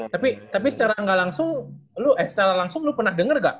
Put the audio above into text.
tapi tapi secara nggak langsung eh secara langsung lu pernah denger nggak